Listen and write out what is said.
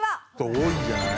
多いんじゃない？